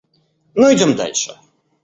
Но идем дальше.